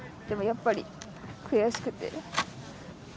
でも、やっぱり悔しくて。